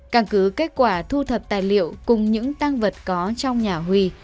căn cứ kết quả thu thập tài liệu cùng những tăng vật có trong nhà huy